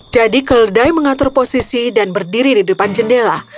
jadi keledai mengatur posisi dan berdiri di depan jendela